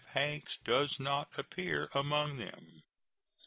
Hanks does not appear among them.